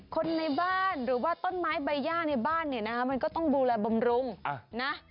คนในบ้านหรือว่าต้นไม้ใบย่าในบ้านเนี่ยนะมันก็ต้องดูแลบำรุงนะ